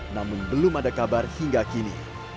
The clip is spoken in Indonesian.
namun belum ada kabar hingga kini